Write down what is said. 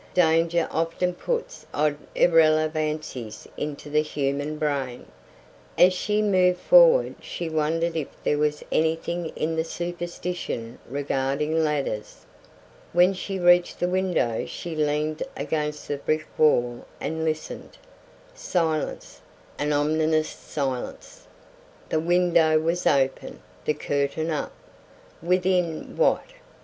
Danger often puts odd irrelevancies into the human brain. As she moved forward she wondered if there was anything in the superstition regarding ladders. When she reached the window she leaned against the brick wall and listened. Silence; an ominous silence. The window was open, the curtain up. Within, what?